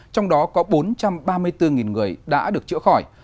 trong đó có bốn trăm ba mươi bốn người đã được chữa khỏi